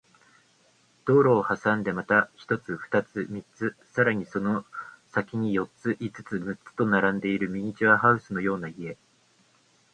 道路を挟んでまた一つ、二つ、三つ、さらにその先に四つ、五つ、六つと並んでいるミニチュアハウスのような家